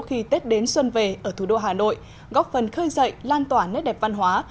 khi tết đến xuân về ở thủ đô hà nội góp phần khơi dậy lan tỏa nét đẹp văn hóa